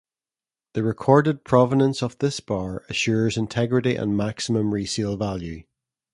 The recorded provenance of this bar assures integrity and maximum resale value.